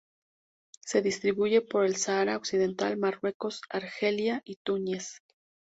Se distribuye por el Sáhara Occidental, Marruecos, Argelia y Túnez.